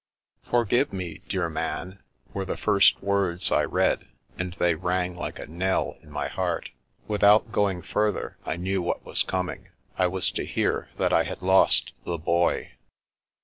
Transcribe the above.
" Forgive me, dear Man," were the first words I read, and they rang like a knell in my heart. With out going further I knew what was coming. I was to hear that I had lost the Boy.